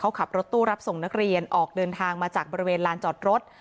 เขาขับรถตู้รับส่งนักเรียนออกเดินทางมาจากบริเวณลานจอดรถ